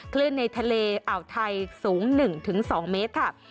คลื่นในทะเลอาวไทยสูง๑๒เมตรค่ะ